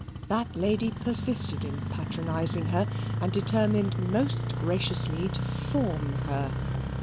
That lady persisted in patronizing her and determined most graciously to form her.